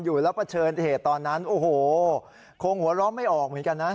อยู่แล้วเผชิญเหตุตอนนั้นโอ้โหคงหัวเราะไม่ออกเหมือนกันนะ